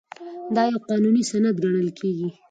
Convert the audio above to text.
دا یو قانوني سند ګڼل کیږي.